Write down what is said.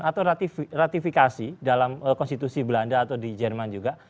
atau ratifikasi dalam konstitusi belanda atau di jerman juga